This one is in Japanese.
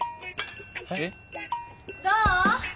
へっ？どう？